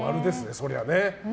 そりゃあね。